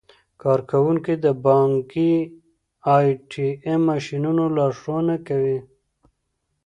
کارکوونکي د بانکي ای ټي ایم ماشینونو لارښوونه کوي.